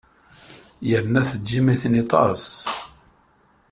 Yerna tejjem-iten aṭas.